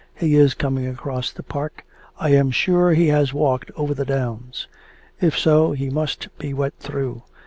He is coming across the park. I am sure he has walked over the downs; if so, he must be wet through.